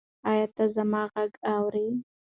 ایا ته زما غږ اورې؟